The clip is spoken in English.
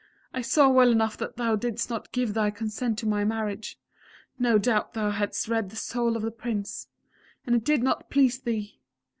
I saw well enough that thou didst not give thy consent to my marriage; no doubt thou hadst read the soul of the Prince and it did not please thee!